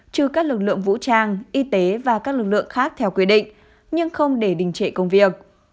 trừ các lực lượng vũ trang y tế và các lực lượng khác theo quy định nhưng không để đình trệ công việc